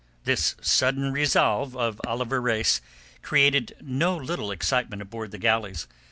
This sudden resolve of Oliver Reis created no little excitement aboard the galleys.